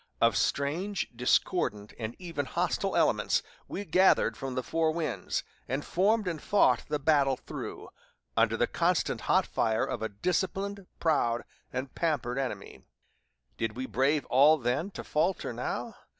Of strange, discordant, and even hostile elements, we gathered from the four winds, and formed and fought the battle through, under the constant hot fire of a disciplined, proud, and pampered enemy. Did we brave all then to falter now?